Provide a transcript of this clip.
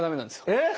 えっ！